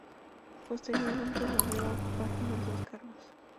Posteriormente, volvió a ocupar diversos cargos.